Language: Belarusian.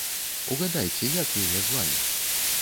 Угадайце, як яе звалі?